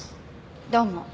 どうも。